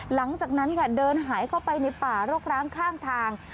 หลังจากนั้นค่ะเดินหายเข้าไปในป่ารกร้างข้างทาง